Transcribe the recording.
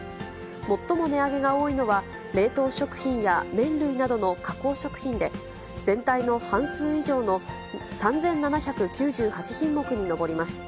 最も値上げが多いのは、冷凍食品や麺類などの加工食品で、全体の半数以上の、３７９８品目に上ります。